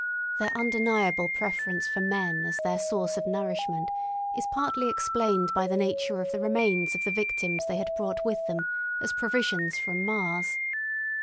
Their undeniable preference for men as their source of nourishment is partly explained by the nature of the remains of the victims they had brought with them as provisions from Mars.